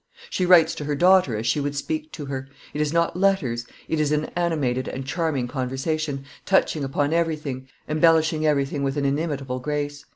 She writes to her daughter as she would speak to her; it is not letters, it is an animated and charming conversation, touching upon everything, embellishing everything with an inimitable grace.